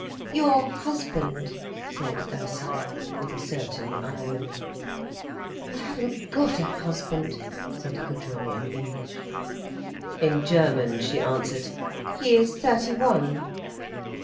"Your husband," said Ursula, with a certain irony. "I haven't got a husband," said Gudrun in English. In German she answered, "He is thirty one."